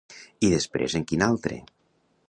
I després en quin altre?